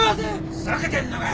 ふざけてんのか！？